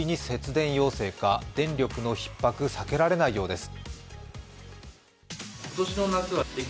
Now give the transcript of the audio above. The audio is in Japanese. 電力のひっ迫避けられないようです。